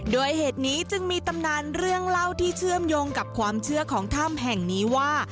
โดยเหตุนี้จึงมีตำนานเรื่องเล่าที่เชื่อมโยงกับความเชื่อของถ้ำแห่งนี้ว่า